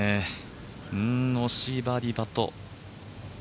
惜しいバーディーパット。